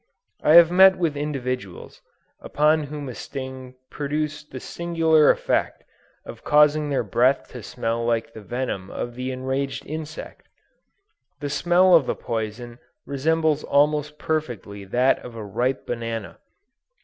I have met with individuals, upon whom a sting produced the singular effect of causing their breath to smell like the venom of the enraged insect! The smell of the poison resembles almost perfectly that of a ripe banana.